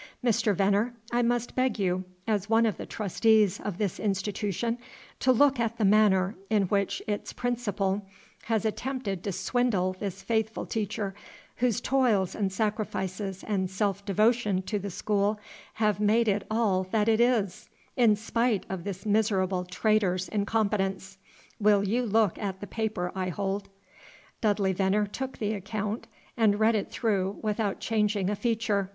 Mr. Venner, I must beg you, as one of the Trustees of this Institution, to look at the manner in which its Principal has attempted to swindle this faithful teacher whose toils and sacrifices and self devotion to the school have made it all that it is, in spite of this miserable trader's incompetence. Will you look at the paper I hold?" Dudley Venner took the account and read it through, without changing a feature.